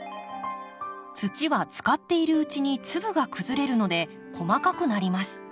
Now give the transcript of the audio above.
土は使っているうちに粒が崩れるので細かくなります。